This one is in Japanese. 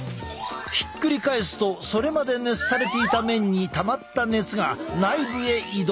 ひっくり返すとそれまで熱されていた面にたまった熱が内部へ移動。